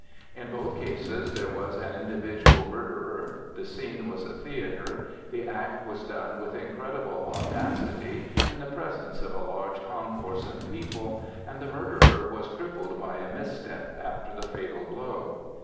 In both cases there was an individual murderer, the scene was a theatre, the act was done with incredible audacity in the presence of a large concourse of people, and the murderer was crippled by a misstep after the fatal blow.